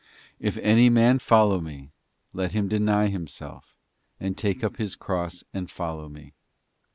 ' If any man will follow Me, let him deny himself, and take up his cross and follow Me.